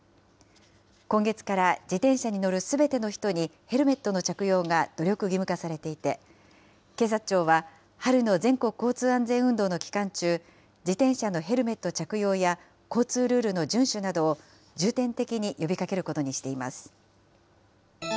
今月から自転車に乗るすべての人にヘルメットの着用が努力義務化されていて、警察庁は、春の全国交通安全運動の期間中、自転車のヘルメット着用や、交通ルールの順守などを重点的に呼びかけることにしています。